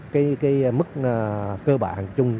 cái mức cơ bản chung